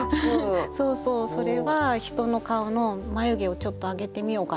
それは人の顔の眉毛をちょっと上げてみようかな？